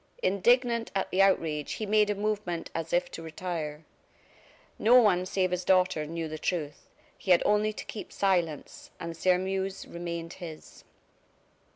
Indignant at the outrage, he made a movement as if to retire. No one, save his daughter, knew the truth; he had only to keep silence and Sairmeuse remained his.